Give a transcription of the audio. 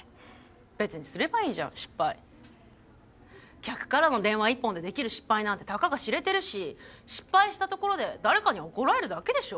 客からの電話一本でできる失敗なんてたかが知れてるし失敗したところで誰かに怒られるだけでしょ？